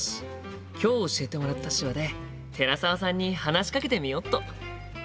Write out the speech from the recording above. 今日教えてもらった手話で寺澤さんに話しかけてみよっと！